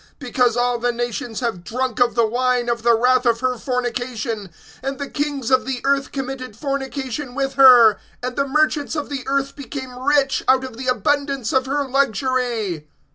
(3)Because all the nations have drunk of the wine of the wrath of her fornication, and the kings of the earth committed fornication with her, and the merchants of the earth became rich out of the abundance of her luxury.